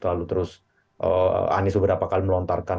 lalu terus anies beberapa kali melontarkan